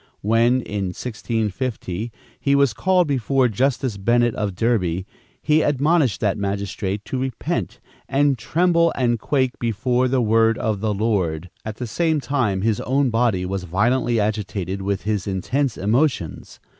When, in 1650, he was called before Justice Bennet, of Derby, he admonished that magistrate to repent and "tremble and quake before the word of the Lord," at the same time his own body was violently agitated with his intense emotions.